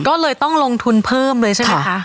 ก็เลยต้องลงทุนเพิ่มเลยใช่ไหมคะ